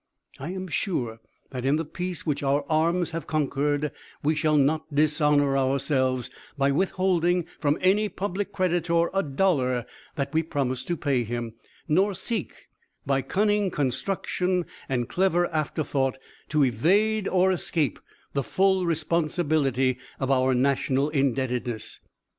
I am sure that in the peace which our arms have conquered, we shall not dishonor ourselves by withholding from any public creditor a dollar that we promised to pay him, nor seek, by cunning construction and clever afterthought, to evade or escape the full responsibility of our national indebtedness.